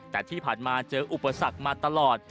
แต่ที่ผ่านมาเจออุปสรรคมาตลอด